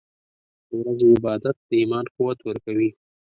• د ورځې عبادت د ایمان قوت ورکوي.